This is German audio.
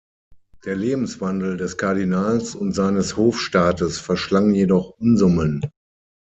Der Lebenswandel des Kardinals und seines Hofstaates verschlang jedoch Unsummen.